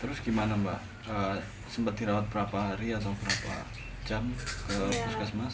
terus gimana mbak sempat dirawat berapa hari atau berapa jam ke puskesmas